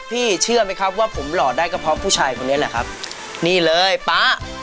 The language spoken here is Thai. เชื่อไหมครับว่าผมหล่อได้ก็เพราะผู้ชายคนนี้แหละครับนี่เลยป๊า